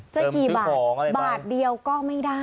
จะกี่บาทบาทเดียวก็ไม่ได้